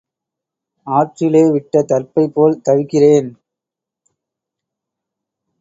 ஆற்றிலே விட்ட தர்ப்பை போல் தவிக்கிறேன்.